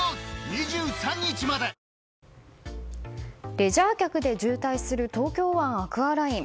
レジャー客で渋滞する東京湾アクアライン。